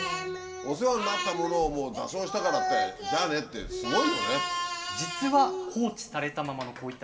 お世話になったものを座礁したからってじゃあねってすごいよね。